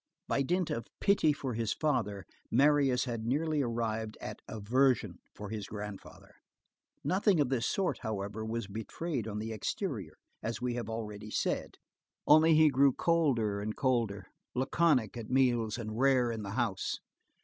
By dint of pity for his father, Marius had nearly arrived at aversion for his grandfather. Nothing of this sort, however, was betrayed on the exterior, as we have already said. Only he grew colder and colder; laconic at meals, and rare in the house.